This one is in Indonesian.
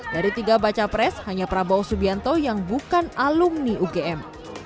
dari tiga baca pres hanya prabowo subianto yang bukan alumni ugm